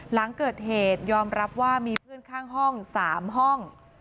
หลังเกิดเหตุยอมรับว่ามีเพื่อนข้างห้อง๓ห้อง